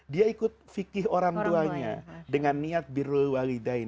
dia ikut fikih orang tuanya dengan niat birul walidain